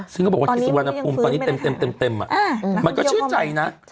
ซึ่งก็บอกว่าทฤษฎรณภูมิตอนนี้เต็มอะมันก็ชื่นใจนะ